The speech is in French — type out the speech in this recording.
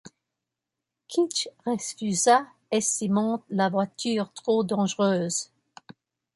Keech refusa, estimant la voiture trop dangereuse.